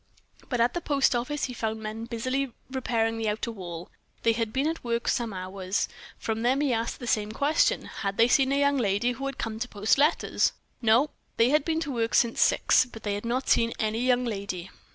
But at the post office he found men busily repairing the outer wall they had been at work some hours. From them he asked the same question "Had they seen a young lady who had come to post letters?" "No." They had been to work since six, but they had not seen any young lady.